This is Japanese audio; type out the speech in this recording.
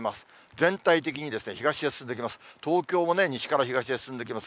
全体的に東へ進んできます。